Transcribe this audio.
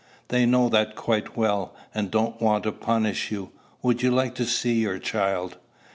"They know that quite well, and don't want to punish you. Would you like to see your child?"